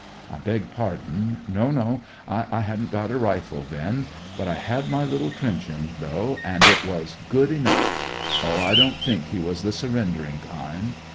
I beg pardon. No, no; I hadn't got a rifle then. But I had my little truncheon though, and it was good enough. Oh, I don't think he was the surrendering kind.